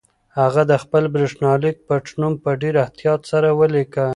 هغه د خپل برېښنالیک پټنوم په ډېر احتیاط سره ولیکه.